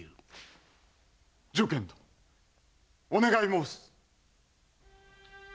如見殿お願い申す。